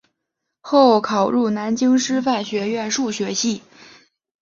后考入南京师范学院数学系。